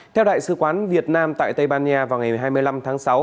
theo đại sứ quán việt nam tại tây ban nha vào ngày hai mươi năm tháng sáu